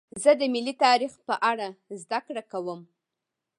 زه د ملي تاریخ په اړه زدهکړه کوم.